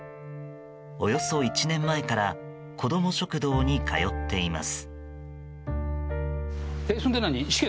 およそ１年前から子ども食堂に通っています。